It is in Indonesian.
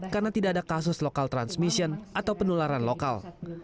karena tidak ada kasus lokal transmission atau penularan lokal